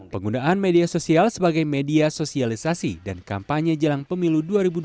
penggunaan media sosial sebagai media sosialisasi dan kampanye jelang pemilu dua ribu dua puluh